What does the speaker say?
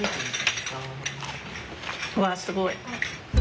うわすごい。